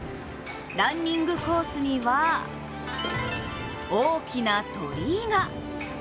ランニングコースには大きな鳥居が。